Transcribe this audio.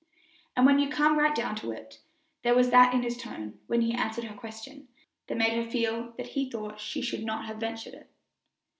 And when you come right down to it, there was that in his tone, when he answered her question, that made her feel that he thought she should not have ventured it.